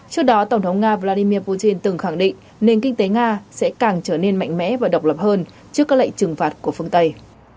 trước đó tổng thống nga vladimir putin từng khẳng định nền kinh tế nga sẽ càng trở nên mạnh mẽ và độc lập hơn trước các lệnh trừng phạt của phương tây